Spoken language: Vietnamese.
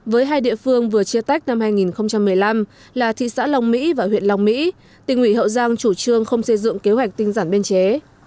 với hai địa phương vừa chia tách năm hai nghìn một mươi năm là thị xã long mỹ và huyện long mỹ tỉnh ủy hậu giang chủ trương không xây dựng kế hoạch tinh giản biên chế